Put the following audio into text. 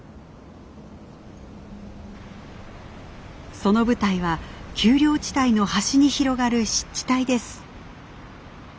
その舞台は丘陵地帯の端に広がる湿地帯です。